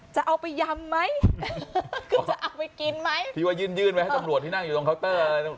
จะเอาไปยำไหมเขาจะเอาไปกินไหมที่ว่ายื่นยื่นไว้ให้ตำรวจที่นั่งอยู่ตรงเคาน์เตอร์